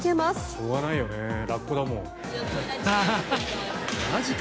しょうがないよねラッコだもん。